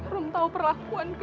rum tau perasaan aku